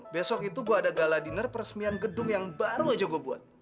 besok itu gua ada gala diner peresmian gedung yang baru aja gua buat